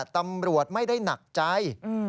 ตำรวจไม่ได้หนักใจ